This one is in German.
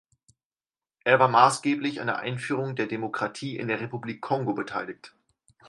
Er war maßgeblich an der Einführung der Demokratie in der Republik Kongo beteiligt.